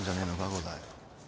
伍代。